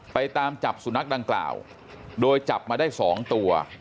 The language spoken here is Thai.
ไปตามจับสุนัขดังกล่าวโดยจับมาได้๒ตัว